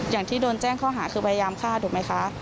อย่างที่โดนแจ้งข้อหาคือพยายามฆ่าถูกไหมคะ